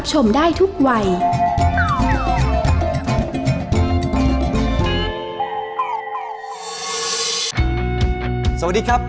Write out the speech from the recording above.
สวัสดีครับ